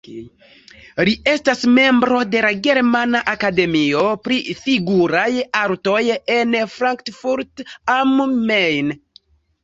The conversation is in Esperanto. Li estas membro de la Germana akademio pri figuraj artoj en Frankfurt am Main.